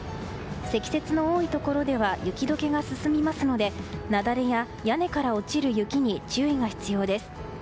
積雪の多いところでは雪解けが進みますので雪崩や屋根から落ちる雪に注意が必要です。